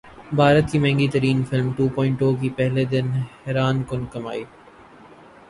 بھارت کی مہنگی ترین فلم ٹو پوائنٹ زیرو کی پہلے دن حیران کن کمائی